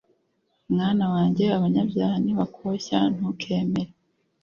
Mwana wanjye, abanyabyaha nibakoshya ntukemere